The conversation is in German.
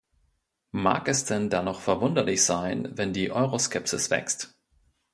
Mag es denn da noch verwunderlich sein, wenn die Euroskepsis wächst?